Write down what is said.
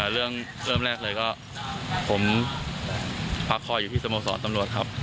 เรื่องแรกเลยก็ผมพักคออยู่ที่สมาศสรตำรวจครับ